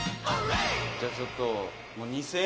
「じゃあちょっと」